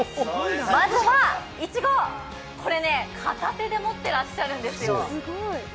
まずはいちご、これ、片手で持ってらっしゃるんですよ。